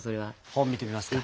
本見てみますか？